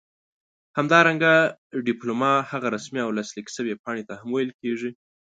همدارنګه ډيپلوما هغې رسمي او لاسليک شوي پاڼې ته هم ويل کيږي